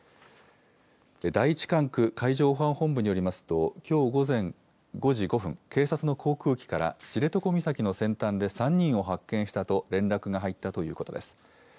第１管区海上保安本部によりますと、きょう午前５時５分、警察の航空機から、知床岬の先端で３人を発見したと、連絡が入ったということです。